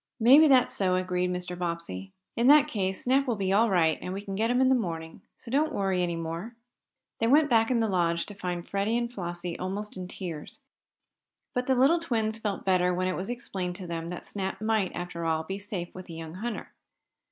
"Maybe that's so," agreed Mr. Bobbsey. "In that case Snap will be all right, and we can get him in the morning. So don't worry any more." They went back in the Lodge, to find Freddie and Flossie almost in tears. But the little twins felt better when it was explained to them that Snap might, after all, be safe with the young hunter.